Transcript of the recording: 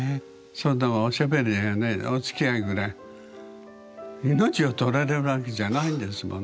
そんなおしゃべりやねおつきあいぐらい命を取られるわけじゃないんですもの。